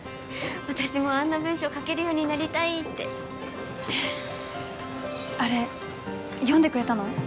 私もあんな文章書けるようになりたいってあれ読んでくれたの？